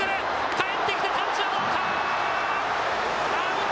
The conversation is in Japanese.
返ってきた、タッチはどうか。